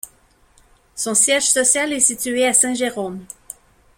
Son siège social est situé à Saint-Jérôme.